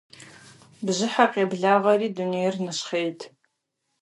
Бжьыхьэр къэблэгъати, дунейр нэщхъейт.